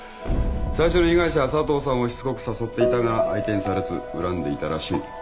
最初の被害者佐藤さんをしつこく誘っていたが相手にされず恨んでいたらしい。